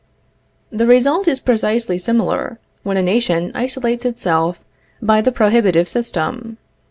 The result is precisely similar, when a nation isolates itself by the prohibitive system.